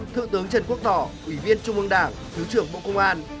thượng tướng trần quốc tỏ ủy viên trung ương đảng thứ trưởng bộ công an